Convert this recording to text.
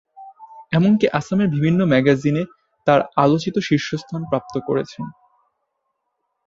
এমনকি অসমের বিভিন্ন ম্যাগাজিনে তার আলোকচিত্র শীর্ষস্থান প্রাপ্ত করেছে।